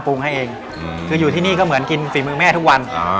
ให้เองคืออยู่ที่นี่ก็เหมือนกินฝีมือแม่ทุกวัน